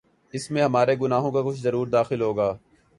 اس میں ہمارے گناہوں کا کچھ ضرور دخل ہو گا۔